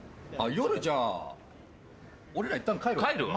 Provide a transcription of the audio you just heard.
夜じゃあ俺らいったん帰るわ。